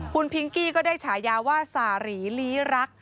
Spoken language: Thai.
คุณพิงกี้ก็ได้ฉายาว่าสารีลีรัก